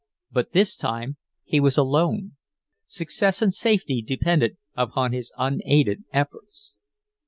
But this time he was alone. Success and safety depended upon his unaided efforts.